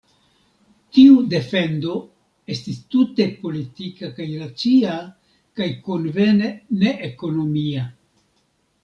Tiu defendo estis tute politika kaj racia, kaj konvene ne-ekonomia.